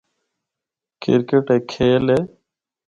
کرکٹ ہک کھیل ہے۔